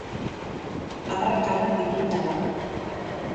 Arrakala digitala.